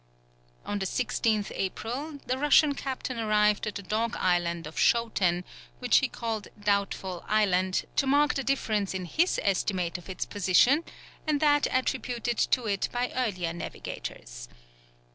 On the 16th April, the Russian captain arrived at the Dog Island of Schouten, which he called Doubtful Island, to mark the difference in his estimate of its position and that attributed to it by earlier navigators.